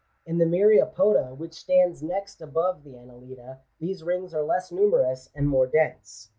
In the Myriapoda, which stand next above the Annelida, these rings are less numerous and more dense.